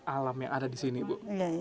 alam yang ada di sini ibu